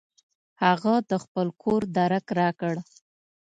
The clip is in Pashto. هغه د خپل کور درک راکړ.